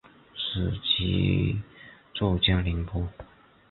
祖籍浙江宁波。